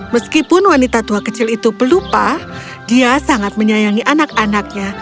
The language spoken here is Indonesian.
meskipun wanita tua kecil itu pelupa dia sangat menyayangi anak anaknya